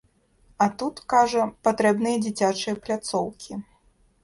А тут, кажа, патрэбныя дзіцячыя пляцоўкі.